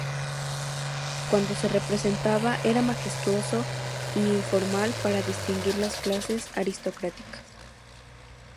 Cuando se representaba, era majestuoso y formal para distinguir las clases aristocráticas.